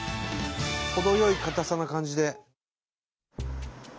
程よい硬さな感じで。